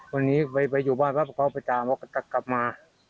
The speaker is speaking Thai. วันนี้ไปอยู่บ้านปั๊บเขาไปตามเขาก็กลับมา